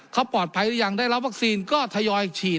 เขาปลอดภัยหรือยังได้รับวัคซีนก็ทยอยฉีด